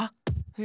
え。